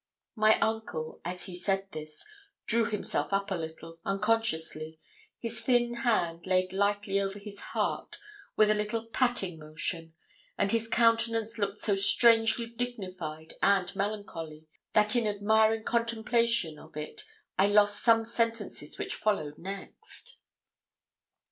My uncle, as he said this, drew himself up a little, unconsciously, his thin hand laid lightly over his heart with a little patting motion, and his countenance looked so strangely dignified and melancholy, that in admiring contemplation of it I lost some sentences which followed next.